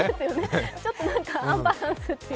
ちょっとアンバランスというか。